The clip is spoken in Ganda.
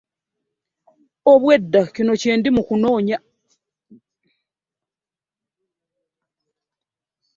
Obwe dda kino kye ndi mukunonya.